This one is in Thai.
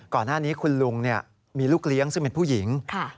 ก่อนหน้านี้คุณลุงมีลูกเลี้ยงซึ่งเป็นผู้หญิง